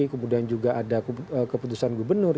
kemudian juga ada keputusan gubernur